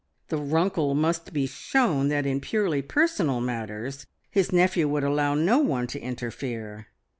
The Runkle must be shown that in purely personal matters his nephew would allow no one to interfere!